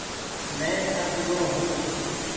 مي ٿڪ گو هون۔